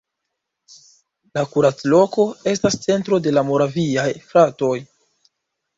La Kuracloko estas centro de la Moraviaj fratoj.